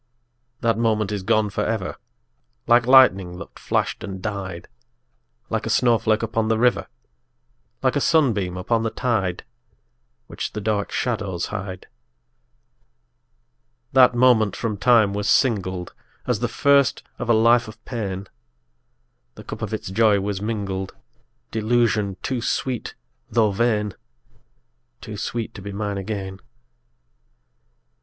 _5 2. That moment is gone for ever, Like lightning that flashed and died Like a snowflake upon the river Like a sunbeam upon the tide, Which the dark shadows hide. _10 3. That moment from time was singled As the first of a life of pain; The cup of its joy was mingled Delusion too sweet though vain! Too sweet to be mine again.